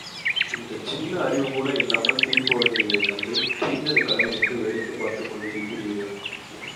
இந்தச் சின்ன அறிவு கூட இல்லாமல் தீர்ப்பு வழங்கியதைக்கண்டு தீர்ந்தது கடமை என்று வேடிக்கை பார்த்துக் கொண்டு இருக்கிறீரே.